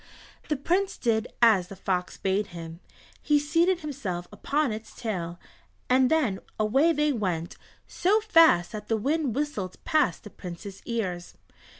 The Prince did as the fox bade him. He seated himself upon its tail and then away they went, so fast that the wind whistled past the Prince's ears.